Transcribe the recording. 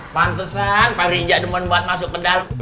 pantesan pak riza demen buat masuk ke dalam